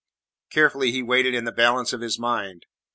Carefully he weighed it in the balance of his mind.